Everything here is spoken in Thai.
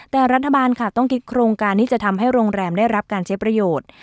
แต่รัฐบาลค่ะต้องคิดโครงการที่จะทำให้โรงแรมได้รับการใช้ประโยชน์